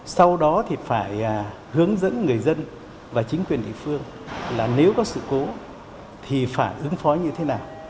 sau đó thì phải hướng dẫn người dân và chính quyền địa phương là nếu có sự cố thì phải ứng phó như thế nào